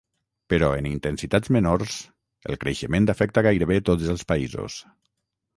Però en intensitats menors, el creixement afecta gairebé tots els països.